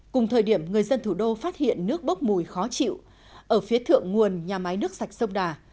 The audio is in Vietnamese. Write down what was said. cùng thời điểm người dân thủ đô phát hiện nước bốc mùi khó chịu ở phía thượng nguồn nhà máy nước sạch sông đà